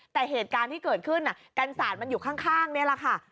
แต่เหตุการณ์ที่เกิดขึ้นกันศาสตร์มันอยู่ข้างนี่แหละค่ะ